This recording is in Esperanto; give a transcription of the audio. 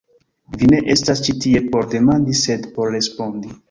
Vi ne estas ĉi tie por demandi sed por respondi.